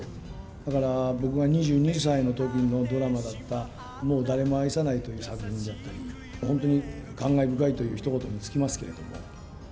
だから僕が２２歳のときのドラマだった、もう誰も愛さないという作品であったり、本当に感慨深いというひと言に尽きますけども。